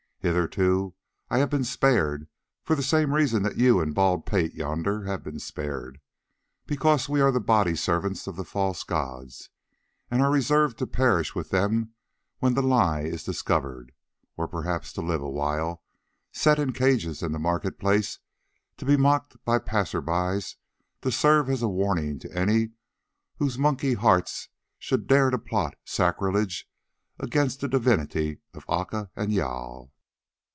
Hitherto I have been spared for the same reason that you and Bald pate yonder have been spared—because we are the body servants of the false gods, and are reserved to perish with them when the lie is discovered; or perhaps to live awhile, set in cages in the market place, to be mocked by the passers by and to serve as a warning to any whose monkey hearts should dare to plot sacrilege against the divinity of Aca and Jâl.